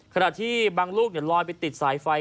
ขณะที่บางลูกลอยไปติดสายไฟ